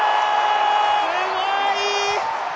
すごい！